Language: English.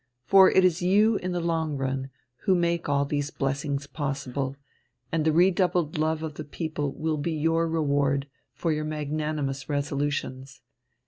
For it is you in the long run who make all these blessings possible, and the redoubled love of the people will be your reward for your magnanimous resolutions."